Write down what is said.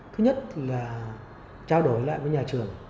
thứ nhất là trao đổi lại với nhà trường